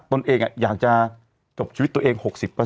ตนเองอยากจะจบชีวิตตัวเอง๖๐